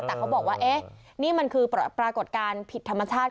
แต่เขาบอกว่าเอ๊ะนี่มันคือปรากฏการณ์ผิดธรรมชาติ